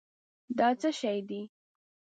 دا څه شی دی؟